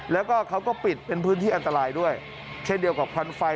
แล้วก็เขาก็ปิดเป็นพื้นที่อันตรายด้วยเช่นเดียวกับควันไฟ